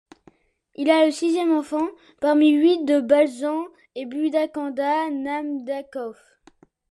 Il est le sixième enfant, parmi huit de Balzhan et Buda-Khanda Namdakov.